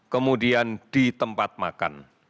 kemudian di tempat makan